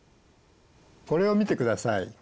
これを見てください。